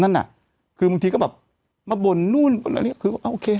นั่นอ่ะคือบางทีก็แบบมาบ่นนู่นอะไรอย่างนี้คือว่าอ่าโอเค